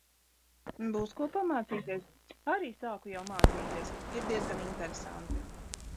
Būs ko pamācīties. Arī sāku jau mācīties. Ir diez gan interesanti.